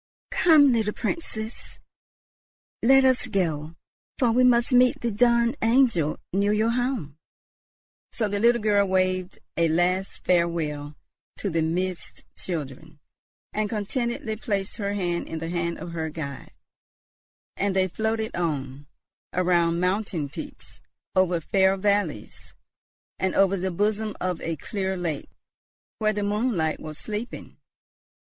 "Come, little Princess, let us go; for we must meet the dawn angel near your home." So the little girl waved a last farewell to the Mist children, and contentedly placed her hand in the hand of her guide; and they floated on, around mountain peaks, over fair valleys, and over the bosom of a clear lake, where the moonlight was sleeping.